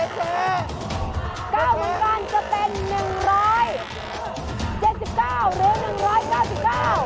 กล้าวเหมือนกันจะเป็น๑๗๙หรือ๑๙๙